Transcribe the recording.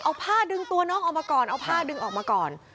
เอาผ้าดึงตัวน้องออกมาก่อนเอาผ้าดึงออกมาก่อน